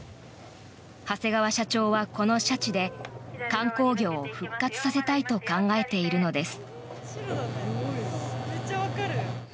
長谷川社長はこのシャチで観光業を復活させたいと考えているのです。